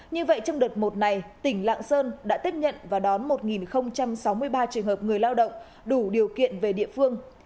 như vậy trong đợt một này tỉnh lạng sơn đã tiếp nhận và đón một sáu mươi ba trường hợp người lao động đủ điều kiện về địa phương